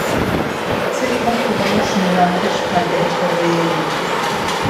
Cette concurrence ne l'empêche pas d'être réélu.